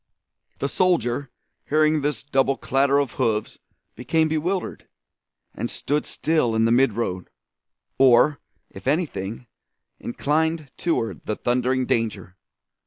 The soldier hearing this double clatter of hoofs became bewildered, and stood still in the midroad, or, if anything, inclined toward the thundering danger.